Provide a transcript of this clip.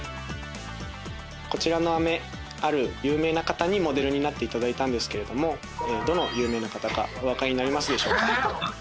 こちらの飴ある有名な方にモデルになっていただいたんですけれどもどの有名な方かお分かりになりますでしょうか。